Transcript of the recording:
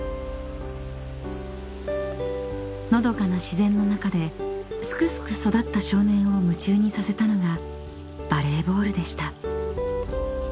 ［のどかな自然の中ですくすく育った少年を夢中にさせたのがバレーボールでした］